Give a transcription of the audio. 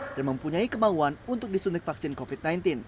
dan mempunyai kemauan untuk disuntik vaksin covid sembilan belas